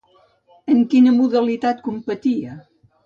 En quina modalitat competia?